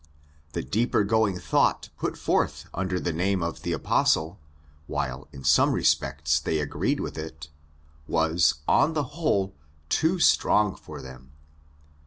The deeper going thought put forth under the name of the Apostle, while in some respects they agreed with it, was, on the whole, too strong for them.